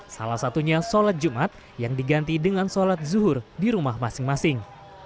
salah satunya sholat jumat yang diganti dengan sholat zuhur di rumah masing masing